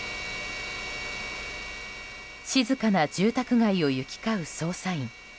静かな住宅街を行き交う捜査員。